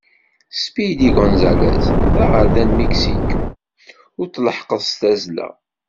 Speedy Gonzales, d aɣerda n Miksik ur tleḥḥqeḍ deg tazzla.